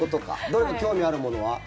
どれか興味あるものは？